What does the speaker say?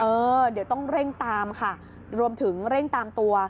เออเดี๋ยวต้องเร่งตามค่ะรวมถึงเร่งตามตัว